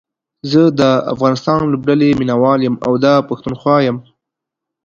زه دا افغانستان لوبډلې ميناوال يم او دا پښتونخوا يم